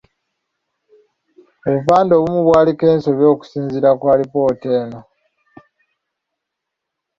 Obupande obumu bwaliko ensobi okusinzira ku alipoota eno.